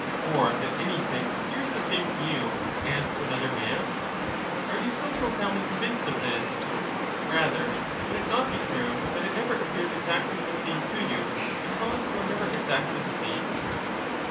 Or that anything appears the same to you as to another man ? Are you so profoundly convinced of this ? Rather would it not be true that it never appears exactly the same to you, because you are never exactly the same